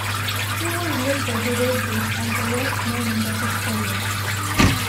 He was later to rate this as the worst moment of his career.